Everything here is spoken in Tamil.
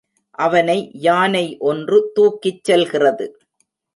அவனை யானை ஒன்று தூக்கிச் செல்கிறது.